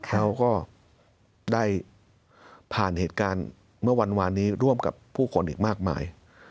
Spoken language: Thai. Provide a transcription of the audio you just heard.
แล้วก็ได้ผ่านเหตุการณ์เมื่อวานนี้ร่วมกับผู้คนอีกมากมาย